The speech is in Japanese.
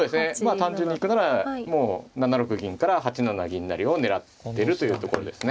単純に行くならもう７六銀から８七銀成を狙ってるというところですね。